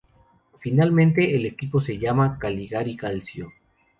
Finalmente el equipo se llama Cagliari Calcio.